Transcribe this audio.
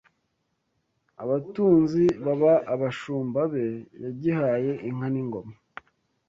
Abatunzi baba abashumba be Yagihaye inka n’ingoma